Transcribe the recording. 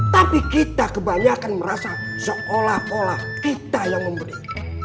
tapi kita kebanyakan merasa seolah olah kita yang memberi